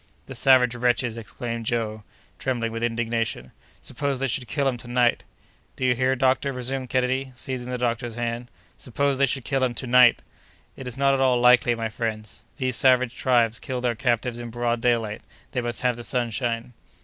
"The savage wretches!" exclaimed Joe, trembling with indignation. "Suppose they should kill him to night!" "Do you hear, doctor," resumed Kennedy, seizing the doctor's hand. "Suppose they should kill him to night!" "It is not at all likely, my friends. These savage tribes kill their captives in broad daylight; they must have the sunshine."